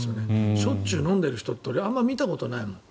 しょっちゅう飲んでる人ってあんまり見たことないもん。